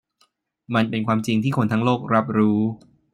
มันเป็นความจริงที่คนทั้งโลกรับรู้